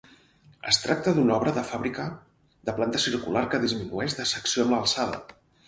Es tracta d'una obra de fàbrica de planta circular que disminueix de secció amb l'alçada.